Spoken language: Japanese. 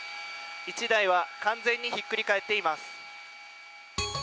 １台は完全にひっくり返っています。